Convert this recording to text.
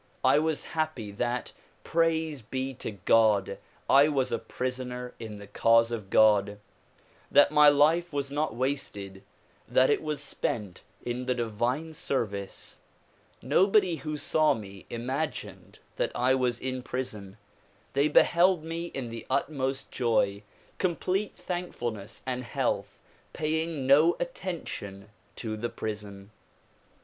I was happy that — praise be to God! — I was a prisoner in the cause of God, that my life was not wasted, that it was spent in the divine service. Nobody who saw me imagined that I was in prison. They beheld me in the utmost joy, complete thankfulness and health, paying no attention to the prison.